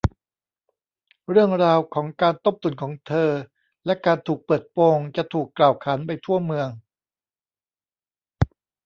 เรื่องราวของการต้มตุ๋นของเธอ และการถูกเปิดโปงจะถูกกล่าวขานไปทั่วเมือง